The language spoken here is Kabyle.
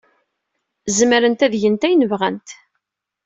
Zemrent ad gent ayen bɣant.